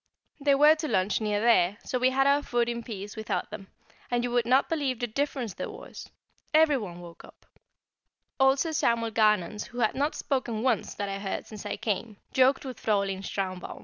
They were to lunch near there, so we had our food in peace without them, and you would not believe the difference there was! Everyone woke up: Old Sir Samuel Garnons, who had not spoken once that I heard since I came, joked with Fräulein Schlarbaum.